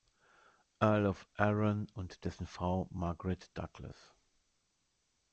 Earl of Arran, und dessen Frau Margaret Douglas.